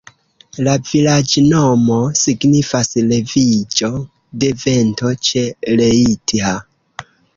La vilaĝnomo signifas: leviĝo de vento ĉe Leitha.